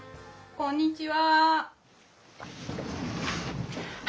こんにちは。